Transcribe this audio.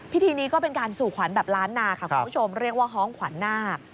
พิธีนี้ก็เป็นการสู่ขวัญแบบล้านนาค่ะคุณผู้ชมเรียกว่าฮ้องขวัญนาค